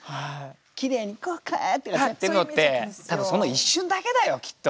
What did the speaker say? きれいにこうやってるのって多分その一瞬だけだよきっと。